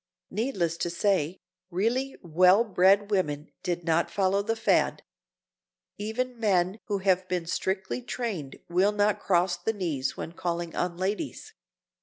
Needless to say, really well bred women did not follow the fad. Even men who have been strictly trained will not cross the knees when calling on ladies.